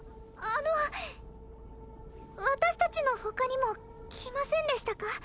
あの私達の他にも来ませんでしたか？